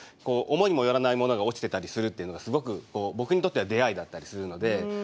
思いも寄らないものが落ちてたりするっていうのがすごく僕にとっては出会いだったりするので。